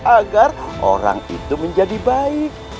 agar orang itu menjadi baik